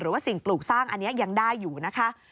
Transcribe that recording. สิ่งปลูกสร้างอันนี้ยังได้อยู่นะคะ